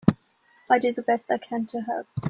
I do the best I can to help.